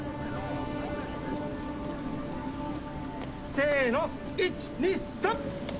せの１２３。